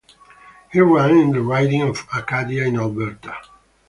He ran in the riding of Acadia in Alberta.